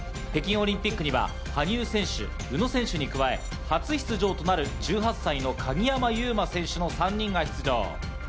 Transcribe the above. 北京オリンピックには羽生選手、宇野選手に加え、初出場となる１８歳の鍵山優真選手の３人が出場。